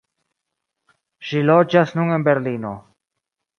Ŝi loĝas nun en Berlino.